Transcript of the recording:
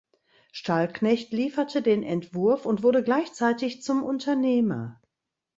Stallknecht lieferte den Entwurf und wurde gleichzeitig zum Unternehmer.